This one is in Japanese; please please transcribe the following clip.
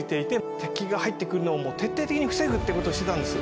敵が入ってくるのを徹底的に防ぐっていうことをしてたんです。